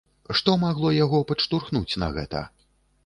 Што магло яго падштурхнуць на гэта?